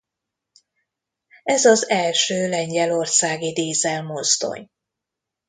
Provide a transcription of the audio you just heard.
Ez az első lengyelországi dízelmozdony.